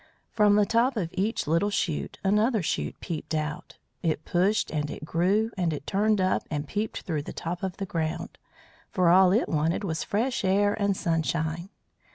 From the top of each little shoot another shoot peeped out. It pushed and it grew, and it turned up and peeped through the top of the ground, for all it wanted was fresh air and sunshine.